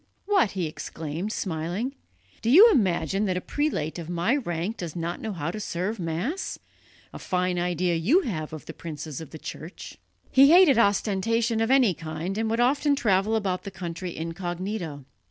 "What!" he exclaimed, smiling, "do you imagine that a prelate of my rank does not know how to serve Mass? A fine idea you have of the princes of the Church!" He hated ostentation of any kind and would often travel about the country incognito.